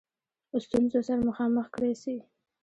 ستونزو سره مخامخ کړه سي.